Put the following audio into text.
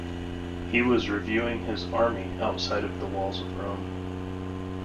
He was reviewing his army outside the walls of Rome.